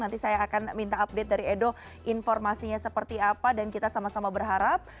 nanti saya akan minta update dari edo informasinya seperti apa dan kita sama sama berharap